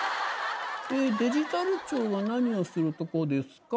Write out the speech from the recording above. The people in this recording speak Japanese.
「デジタル庁は何をするとこですか？」